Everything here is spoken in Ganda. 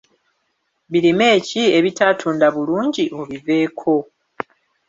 Birime ki ebitaatunda bulungi obiveeko?